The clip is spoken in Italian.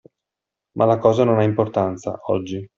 Ma la cosa non ha importanza, oggi.